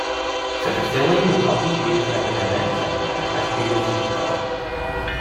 The facility would not be used as an event centre, as previously proposed.